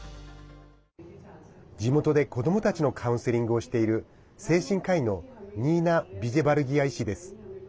地元で子どもたちのカウンセリングをしている精神科医のニーナ・ビジェバルギア医師です。